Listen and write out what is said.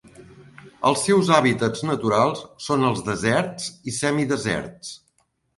Els seus hàbitats naturals són els deserts i semideserts.